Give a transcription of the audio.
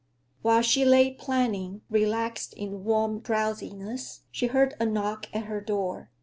While she lay planning, relaxed in warm drowsiness, she heard a knock at her door.